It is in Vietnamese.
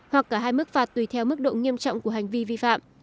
hoặc cả hai mức phạt tùy theo mức độ nghiêm trọng của hành vi vi phạm